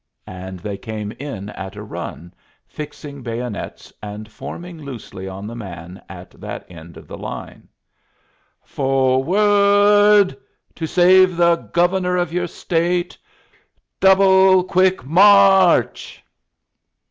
and they came in at a run, fixing bayonets and forming loosely on the man at that end of the line. "Forward... to save the Gov ern or of your State... doub le quick... maaarch!"